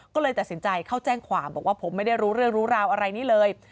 ก็เลยตัดสินใจเข้าแจ้งความบอกว่าผมไม่ได้รู้เรื่องรู้ราวอะไรนี้เลย